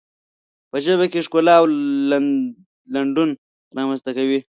په ژبه کې ښکلا او لنډون رامنځته کوي.